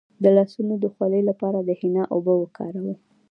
د لاسونو د خولې لپاره د حنا اوبه وکاروئ